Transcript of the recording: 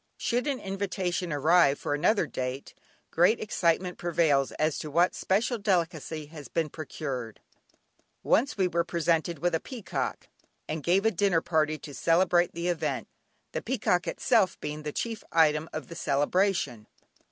Should an invitation arrive for another date, great excitement prevails as to what special delicacy has been procured. Once we were presented with a peacock, and gave a dinner party to celebrate the event, the peacock itself being the chief item of the celebration.